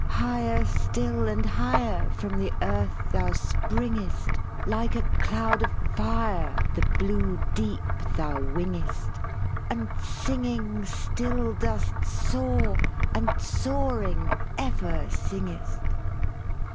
"Higher still and higher From the earth thou springest, Like a cloud of fire, The blue deep thou wingest, And singing still dost soar, and soaring ever singest.